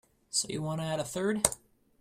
So you want to add a third?